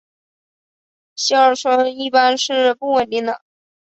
偕二醇一般是不稳定的。